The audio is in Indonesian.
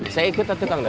saya ikut pak tukang